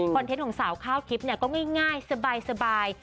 เทนต์ของสาวข้าวทิพย์ก็ง่ายสบาย